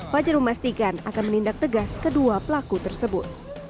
fajar memastikan akan menindak tegas kedua pelaku tersebut